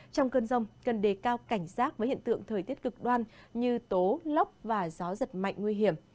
trong cơn rông cần đề cao cảnh giác với hiện tượng thời tiết cực đoan như tố lốc và gió giật mạnh nguy hiểm